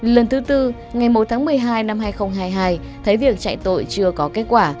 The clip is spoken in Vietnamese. lần thứ tư ngày một tháng một mươi hai năm hai nghìn hai mươi hai thấy việc chạy tội chưa có kết quả